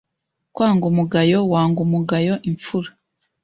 Kwanga umugayo wanga umugayo Imfura